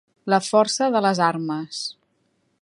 La força de les armes.